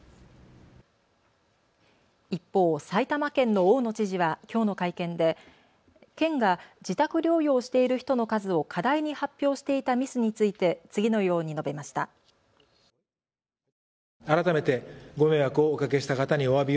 一方、埼玉県の大野知事はきょうの会見で県が自宅療養している人の数を過大に発表していたミスについて次のように述べました。